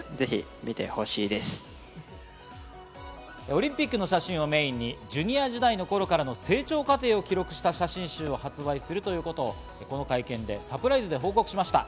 オリンピックの写真をメインにジュニア時代の頃からの成長過程を記録した写真集を発売することをこの会見でサプライズで報告しました。